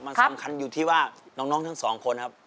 มันสำคัญอยู่ที่ว่าน้องทั้งสองคนครับ